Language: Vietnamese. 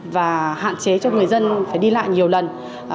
và hạn chế cho người dân phải đi lại nhiều lần